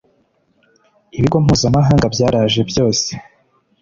ibigo mpuzamahanga byaraje byose